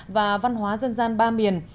và văn hóa dân gian ba miền